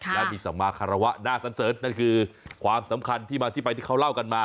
และมีสมาคารวะหน้าสันเสริฐนั่นคือความสำคัญที่มาที่ไปที่เขาเล่ากันมา